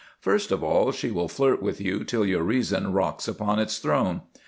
First of all, she will flirt with you till your reason rocks upon its throne.